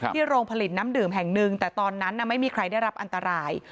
โรงผลิตน้ำดื่มแห่งหนึ่งแต่ตอนนั้นไม่มีใครได้รับอันตราย